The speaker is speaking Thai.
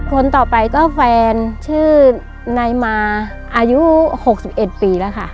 คนต่อไปก็แฟนชื่อนายมาอายุ๖๑ปีแล้วค่ะ